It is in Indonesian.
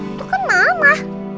itu kan mama